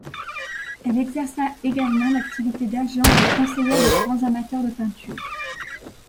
Elle exerça également l'activité d'agent et de conseillère de grands amateurs de peinture.